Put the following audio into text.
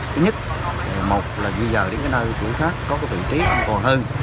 thứ nhất một là di rời đến nơi thủy khác có tự trí an toàn hơn